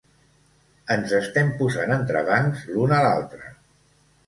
Ens estem posant entrebancs l'un a l'altre!